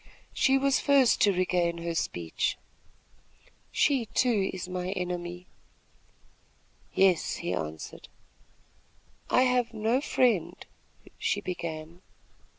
She was first to regain her speech. "She, too, is my enemy." "Yes," he answered. "I have no friend " she began.